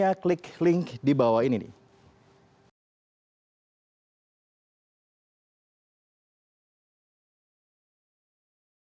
dan pada akhirnya misi ini adalah untuk mengembangkan